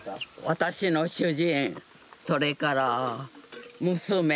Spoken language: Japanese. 私の主人それから娘